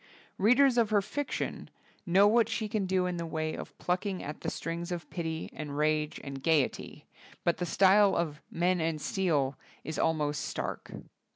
Readers of her fiction know what she can do in the way of plucking at the strings of pity and rage and gayety; but the style of "Men and Steel" is al most stark.